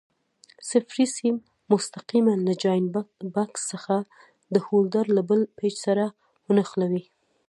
صفري سیم مستقیماً له جاینټ بکس څخه د هولډر له بل پېچ سره ونښلوئ.